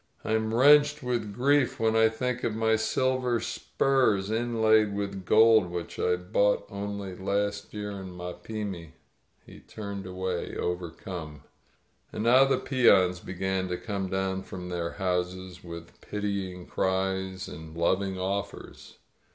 But I am wrenched with grief when I think of my silver spurs inlaid with gold, which I bought only last year in Mapimi!" He turned away, overcome. And now the peons began to come down from their houses, with pitying cries and loving offers.